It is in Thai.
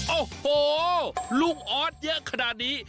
โอ้โหลุงออสเยอะขนาดนี้